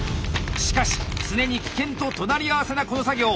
しかし常に危険と隣り合わせなこの作業！